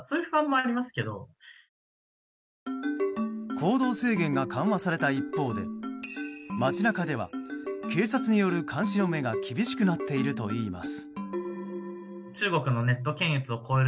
行動制限が緩和された一方で街中では警察による監視の目が厳しくなっているといいます。